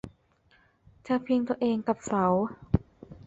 เธอพิงตัวเองกับเสา